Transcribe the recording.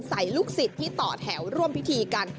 ลูกศิษย์ที่ต่อแถวร่วมพิธีกัน